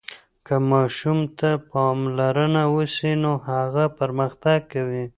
که ماشوم ته پاملرنه وسي نو هغه پرمختګ کوي.